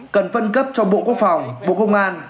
cần phân cấp cho bộ quốc phòng bộ công an